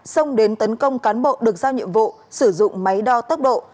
xông đến tấn công cán bộ được giao nhiệm vụ sử dụng máy đo tốc độ